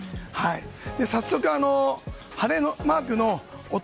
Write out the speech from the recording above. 早速、晴れマークのお得